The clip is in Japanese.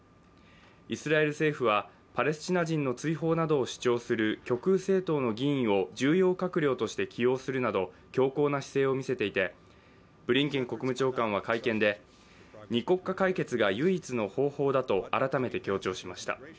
イスラエル政府は、パレスチナ人の追放などを主張する極右政党の議員を重要閣僚として起用するなど、強硬な姿勢を見せていてブリンケン国務長官は会見で二国家解決が唯一の方法だと改めて強調しました。